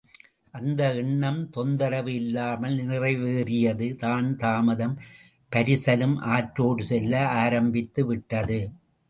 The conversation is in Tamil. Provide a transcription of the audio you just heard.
அந்த எண்ணம் தொந்தரவு இல்லாமல் நிறைவேறியது தான் தாமதம், பரிசலும் ஆற்றோடு செல்ல ஆரம்பித்துவிட்டது.